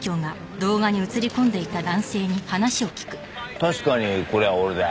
確かにこれは俺だよ。